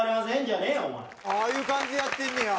ああいう感じでやってんねや。